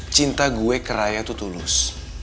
cinta gue ke raya tuh tulus